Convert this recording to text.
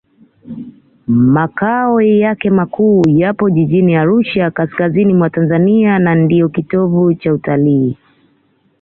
makao yake makuu yapo jijini arusha kaskazini mwa tanzania na ndiyo kitovu cha utalii